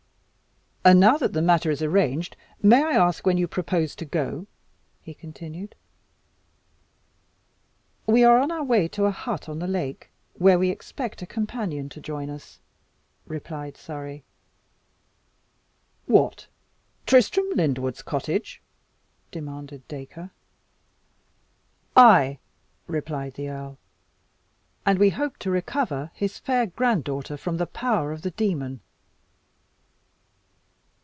"And now that the matter is arranged, may I ask when you propose to go?" he continued. "We are on our way to a hut on the lake, where we expect a companion to join us," replied Surrey. "What! Tristram Lyndwood's cottage?" demanded Dacre. "Ay," replied the earl, "and we hope to recover his fair granddaughter from the power of the demon."